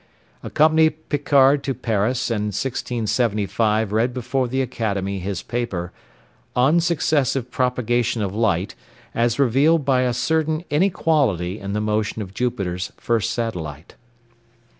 Accompanied Picard to Paris, and in 1675 read before the Academy his paper "On Successive Propagation of Light as revealed by a certain inequality in the motion of Jupiter's First Satellite."